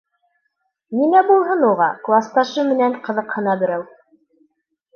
— Нимә булһын уға, класташы менән ҡыҙыҡһына берәү...